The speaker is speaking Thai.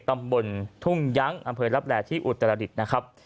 ตำบลทุ่งยั้งอำเพย์รับแรดที่อุตรดิตนะครับ